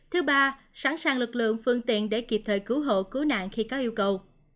thứ ba sẵn sàng lực lượng phương tiện để kịp thời cứu hộ cứu nạn khi có yêu cầu